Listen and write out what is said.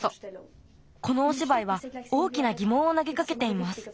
このおしばいは大きなぎもんをなげかけています。